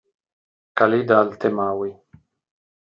Khalid Al-Temawi